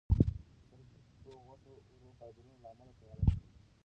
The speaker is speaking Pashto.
چرګ د پښو غوښه د ورو فایبرونو له امله تیاره ده.